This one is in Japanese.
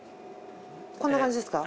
こんな感じですか？